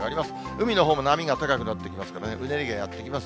海のほうも波が高くなってきますからね、うねりがやって来ます。